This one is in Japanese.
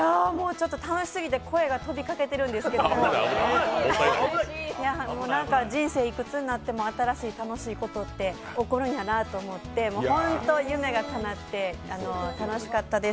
楽しすぎて声がとびかけてるんですけど人生、いくつになっても新しい楽しいことって起こるんやなって、本当、夢がかなって楽しかったです